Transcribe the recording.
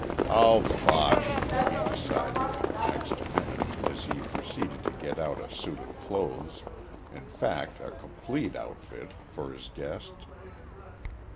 "All bosh," he decided, next minute, as he proceeded to get out a suit of clothes, in fact a complete outfit, for his guest.